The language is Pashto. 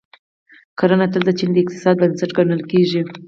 کرنه تل د چین د اقتصاد بنسټ ګڼل کیږي.